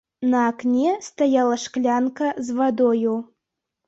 На акне стаяла шклянка з вадою.